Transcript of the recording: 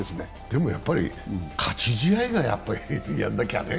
でもやっぱり勝ち試合がやらなきゃね。